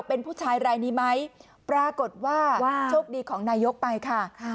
เป็นผู้ชายรายนี้ไหมปรากฏว่าโชคดีของนายกไปค่ะ